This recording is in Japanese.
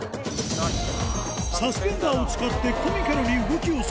サスペンダーを使ってコミカルに動きをそろえる